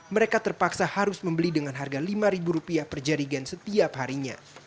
mereka terpaksa harus membeli dengan harga lima ribu rupiah per jarigian setiap harinya